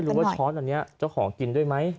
คือน้องไม่รู้ว่าช้อนอันนี้เจ้าของกินด้วยไหม